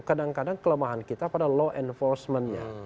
kadang kadang kelemahan kita pada law enforcementnya